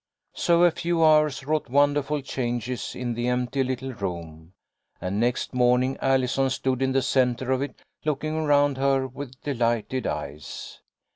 So a few hours wrought won derful changes in the empty little room, and next morning Allison stood in the centre of it looking around her with delighted eyes.